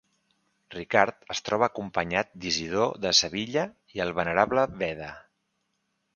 Ricard es troba acompanyat d'Isidor de Sevilla i el Venerable Beda.